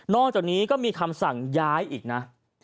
อกจากนี้ก็มีคำสั่งย้ายอีกนะ